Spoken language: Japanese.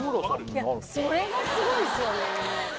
それがすごいですよね